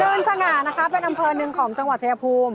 เงินสง่าตั้งแต่